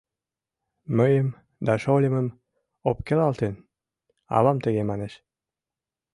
Мыйым да шольымым, ӧпкелалтын, авам тыге манеш.